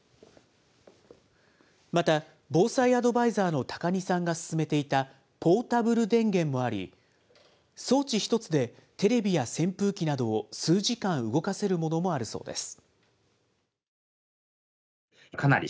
また、防災アドバイザーの高荷さんが勧めていたポータブル電源もあり、装置１つで、テレビや扇風機などを数時間動かせるものもあるそうです。